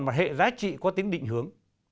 một hệ giá trị có tính định hướng